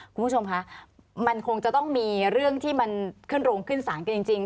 คุณผู้ชมคะมันคงจะต้องมีเรื่องที่มันขึ้นโรงขึ้นศาลกันจริง